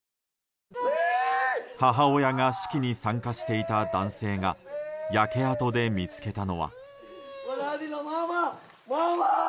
母親が式に参加していた男性が焼け跡で見つけたのは。